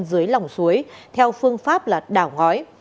dưới lòng suối theo phương pháp là đảo ngói